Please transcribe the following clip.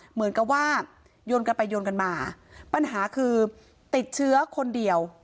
เหมือนกับว่าโยนกันไปโยนกันมาปัญหาคือติดเชื้อคนเดียว